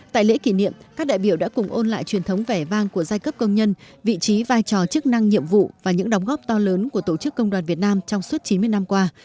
tại lễ kỷ niệm các đại biểu đã cùng ôn lại truyền thống vẻ vang của giai cấp công nhân vị trí vai trò chức năng nhiệm vụ và những đóng góp to lớn của tổ chức công đoàn việt nam trong suốt chín mươi năm qua